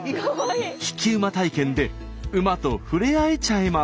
引き馬体験で馬とふれあえちゃいます。